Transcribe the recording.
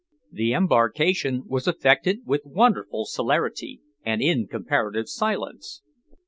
The embarkation was effected with wonderful celerity, and in comparative silence.